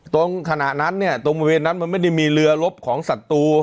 ขณะนั้นเนี่ยตรงบริเวณนั้นมันไม่ได้มีเรือลบของศัตรู